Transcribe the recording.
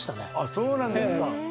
そうなんですか。